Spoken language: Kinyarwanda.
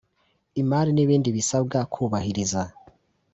imari n ibindi basabwa kubahiriza